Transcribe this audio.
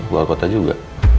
buah kota juga